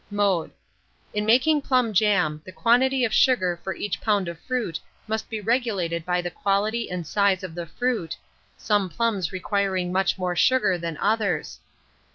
Mode. In making plum jam, the quantity of sugar for each lb. of fruit must be regulated by the quality and size of the fruit, some plums requiring much more sugar than others.